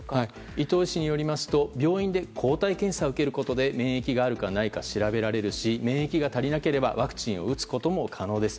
伊藤医師によりますと病院で抗体検査を受けることで免疫があるか、ないか調べることができるし免疫が足りなければワクチンを打つことも可能です。